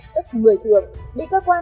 tức một mươi tường bị cơ quan